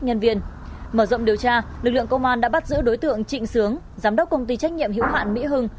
nhân viên mở rộng điều tra lực lượng công an đã bắt giữ đối tượng trịnh sướng giám đốc công ty trách nhiệm hữu hạn mỹ hưng